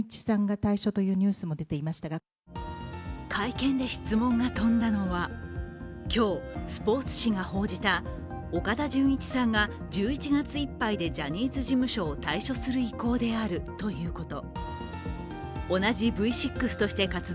会見で質問が飛んだのは、今日スポーツ紙が報じた岡田准一さんが１１月いっぱいでジャニーズ事務所を退所する意向であるということ。